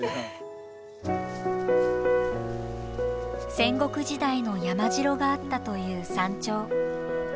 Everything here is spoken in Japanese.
戦国時代の山城があったという山頂。